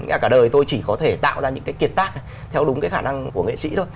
cả đời tôi chỉ có thể tạo ra những cái kiệt tác theo đúng cái khả năng của nghệ sĩ thôi